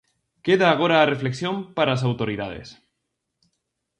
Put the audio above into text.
Queda agora a reflexión para as autoridades.